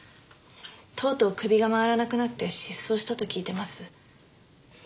とうとう首が回らなくなって失踪したと聞いてます。